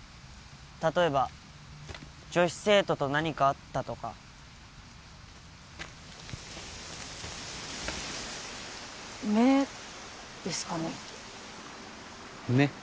例えば女子生徒と何かあったとか目ですかね目？